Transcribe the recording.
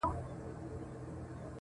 زه او ته دواړه ښکاریان یو د عمرونو!!